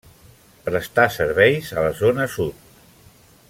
Prestà serveis a la zona sud.